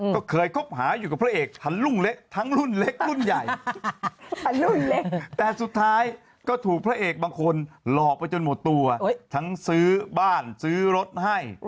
ก็เคยคบหาอยู่กับพระเอกทั้งรุ่นเล็กทั้งรุ่นเล็กรุ่นใหญ่